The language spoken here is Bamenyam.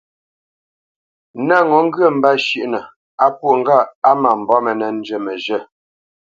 Nə̂t ŋo ŋgyə mbə́ shʉ́ʼnə á pwô ŋgâʼ á mbomə̄ nə́ njə məzhə̂.